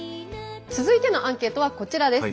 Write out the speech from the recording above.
続いてのアンケートはこちらです。